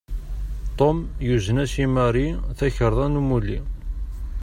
Tom yuzen-as i Mary takarḍa n umulli.